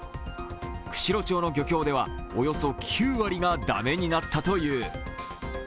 釧路町の漁協ではおよそ９割が駄目になったという。